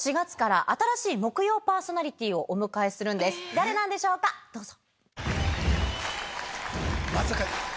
誰なんでしょうかどうぞ。